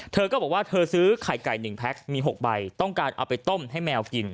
เธอก็บอกว่าเธอซื้อไข่ไก่๑แพ็คมี๖ใบต้องการเอาไปต้มให้แมวกิน